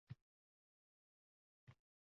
Umrim bir on sendan ayru bo’lmadi